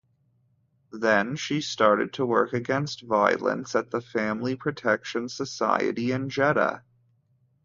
Then she started to work against violence at the Family Protection Society in Jeddah.